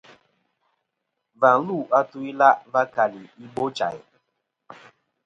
Và lu a tu-ila' va keli Ibochayn.